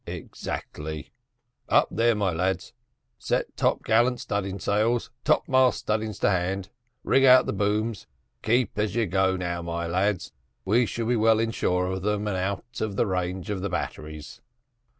"Exactly. Up there, my lads, set top gallant studding sails, top mast studdings to hand rig out the booms keep as you go now, my lad we shall be well inshore of them, and out of the range of the batteries."